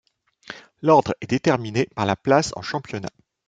L'ordre est déterminé par la place en championnat.